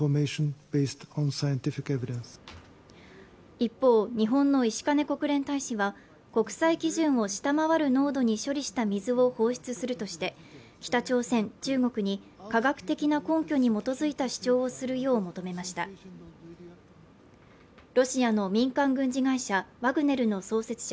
一方日本の石兼国連大使は国際基準を下回る濃度に処理した水を放出するとして北朝鮮中国に科学的な根拠に基づいた主張をするよう求めましたロシアの民間軍事会社ワグネルの創設者